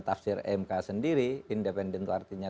tafsir mk sendiri independen itu artinya